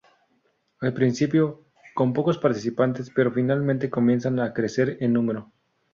Al principio con pocos participantes, pero finalmente comienzan a crecer en número.